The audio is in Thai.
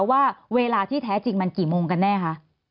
ว่าเวลาที่แท้จริงมันกี่โมงกันแน่คะ